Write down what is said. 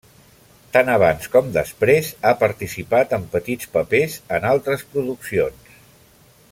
Tant abans com després, ha participat en petits papers en altres produccions.